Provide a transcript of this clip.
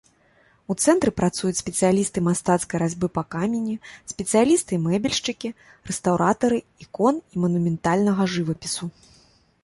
У цэнтры працуюць спецыялісты мастацкай разьбы па камені, спецыялісты-мэбельшчыкі, рэстаўратары ікон і манументальнага жывапісу.